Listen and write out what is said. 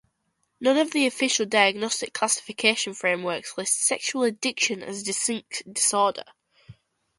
None of the official diagnostic classification frameworks list "sexual addiction" as a distinct disorder.